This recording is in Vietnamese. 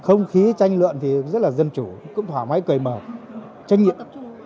không khí tranh luận thì rất là dân chủ cũng thoải mái cười mở trách nhiệm